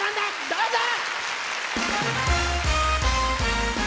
どうぞ！